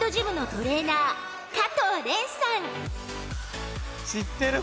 トレーナー加藤怜さん］